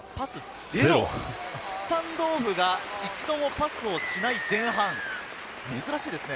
スタンドオフが一度もパスをしない前半、珍しいですね。